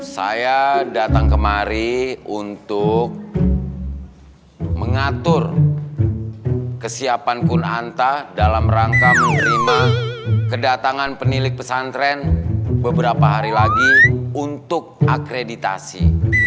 saya datang kemari untuk mengatur kesiapan pun anta dalam rangka menerima kedatangan penilik pesantren beberapa hari lagi untuk akreditasi